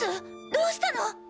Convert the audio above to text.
どうしたの？